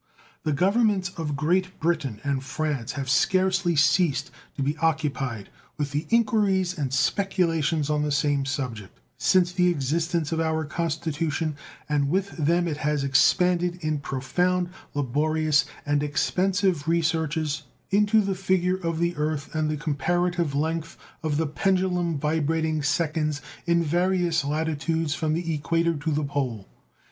The Governments of Great Britain and France have scarcely ceased to be occupied with inquiries and speculations on the same subject since the existence of our Constitution, and with them it has expanded into profound, laborious, and expensive researches into the figure of the earth and the comparative length of the pendulum vibrating seconds in various latitudes from the equator to the pole.